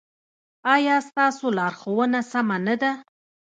ایا ستاسو لارښوونه سمه نه ده؟